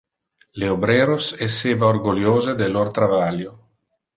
Le obreros esseva orgoliose de lor travalio.